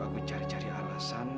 aku cari cari alasan